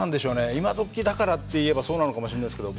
今どきだからっていえばそうなのかもしんないですけど